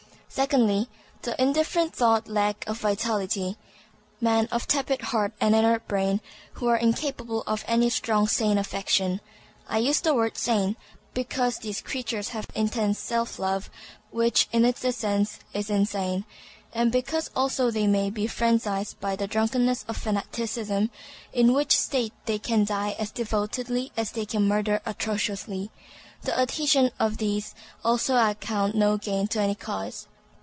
Secondly, the indifferent through lack of vitality; men of tepid heart and inert brain, who are incapable of any strong sane affection. I use the word sane because these creatures have intense self love, which in its essence is insane; and because also they may be frenzied by the drunkenness of fanaticism, in which state they can die as devotedly as they can murder atrociously. The adhesion of these also I count no gain to any cause.